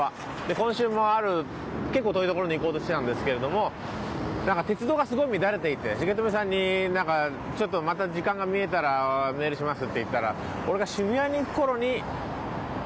今週もある結構遠いところに行こうとしてたんですけれどもなんか鉄道がすごい乱れていて重富さんに「ちょっとまた時間が見えたらメールします」って言ったら俺が渋谷に行く頃に。